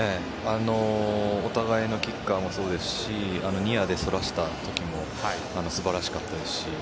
お互いのキッカーもそうですしニアでそらせた時も素晴らしかったですし。